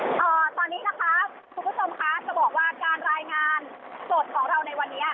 ตอนนี้คุณผู้ชมจะบอกว่าการรายงานสดของเราในวันนี้